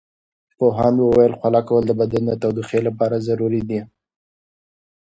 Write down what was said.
پوهاند وویل خوله کول د بدن د تودوخې لپاره ضروري دي.